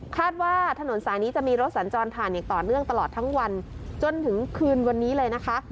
คาดว่าถนนสายนี้จะมีรถสัญจรผ่านอย่างต่อเนื่องตลอดทั้งวันจนถึงคืนวันนี้เลยนะคะ